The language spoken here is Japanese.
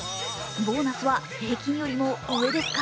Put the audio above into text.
ボーナスは平均よりも上ですか？